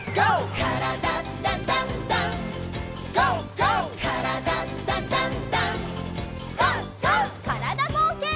からだぼうけん。